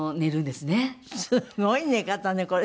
すごい寝方ねこれ。